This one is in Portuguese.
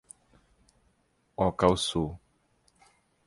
Ocauçu